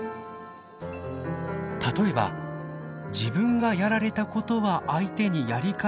例えば自分がやられたことは相手にやり返してもいい。